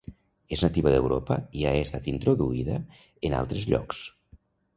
És nativa d'Europa i ha estat introduïda en altres llocs.